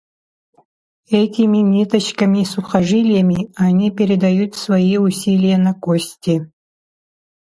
Этими ниточками-сухожилиями они передают свои усилия на кости.